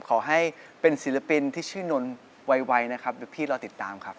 ขอให้เป็นศิลปินที่ชื่อนนท์ไวนะครับเดี๋ยวพี่รอติดตามครับ